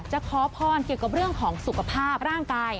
ขอพรเกี่ยวกับเรื่องของสุขภาพร่างกาย